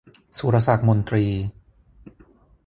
สุรศักดิ์มนตรี